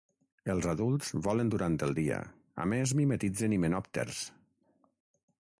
Els adults volen durant el dia; a més mimetitzen himenòpters.